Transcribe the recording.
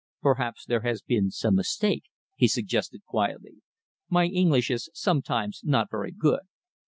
"Perhaps there has been some mistake," he suggested quietly. "My English is sometimes not very good.